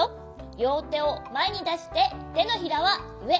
りょうてをまえにだしててのひらはうえ。